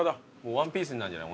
ワンピースになんじゃない？